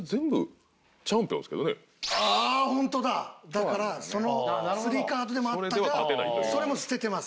だからその３カードでもあったがそれも捨ててます。